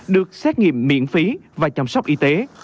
được xét nghiệm miễn phí và chăm sóc y tế